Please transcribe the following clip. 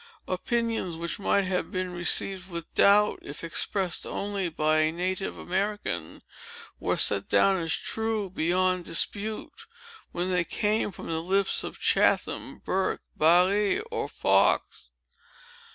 Opinions, which might have been received with doubt, if expressed only by a native American, were set down as true, beyond dispute, when they came from the lips of Chatham, Burke, Barré, or Fox."